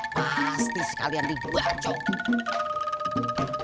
pasti sekalian diguacok